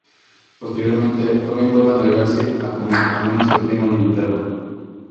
Posteriormente, Robin vuelve a negarse a comer a menos que tenga un invitado.